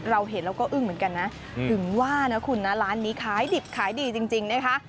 เราเห็นแล้วก็อึ้งเหมือนกันนะถึงว่านะคุณนะร้านนี้ขายดิบขายดีจริงนะคะ